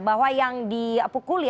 bahwa yang dipukuli